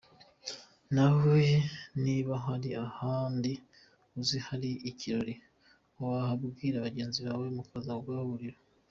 Nawe niba hari ahandi uzi hari ikirori wahabwira bagenzi bawe mukaza kuhahurira.